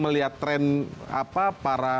melihat tren apa para